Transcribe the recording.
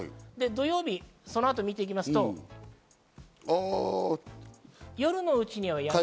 で、その後、見ていきますと、夜のうちにはやむ。